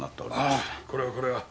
ああこれはこれは。